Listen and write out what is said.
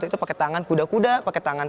itu pakai tangan kuda kuda pakai tangan